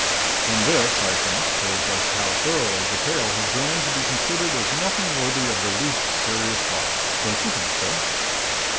And this, I think, shows us how thoroughly the tale had grown to be considered as nothing worthy of the least serious thought. Don't you think so?